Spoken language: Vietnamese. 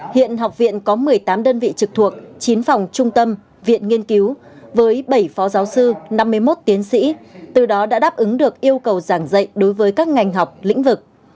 hiện học viện có một mươi tám đơn vị trực thuộc chín phòng trung tâm viện nghiên cứu với bảy phó giáo sư năm mươi một tiến sĩ từ đó đã đáp ứng được yêu cầu giảng dạy đối với các ngành học lĩnh vực